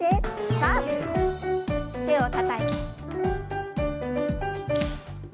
さあ手をたたいて。